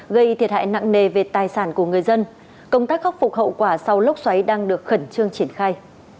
gây thiệt hại nặng nề về tài sản của người dân công tác khắc phục hậu quả sau lốc xoáy đang được khẩn trương triển khai